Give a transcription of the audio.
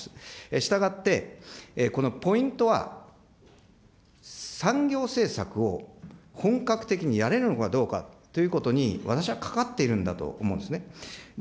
したがって、このポイントは、産業政策を本格的にやれるのかどうかということに、私はかかっているんだと思うんですね。